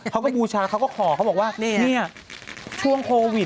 เค้าก็บูชาเค้าก็ขอเค้าบอกว่านี่ช่วงโควิด